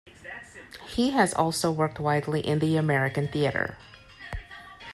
He has also worked widely in the American theatre.